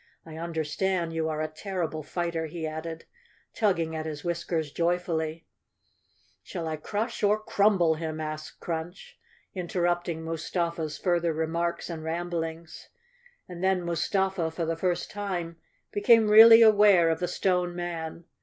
I understand you are a terrible fighter," he added, tugging at his whiskers joyfully. " Shall I crush or crumble him?" asked Crunch, inter 271 The Cowardly Lion of Oz rupting Mustafa's further remarks and ramblings. And then Mustafa for the first time became really aware of the Stone Man.